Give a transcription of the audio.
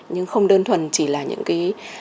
nhưng không đơn thuần chỉ là những cái